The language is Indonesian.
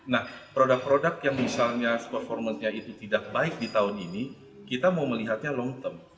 nah produk produk yang misalnya performance nya itu tidak baik di tahun ini kita mau melihatnya long term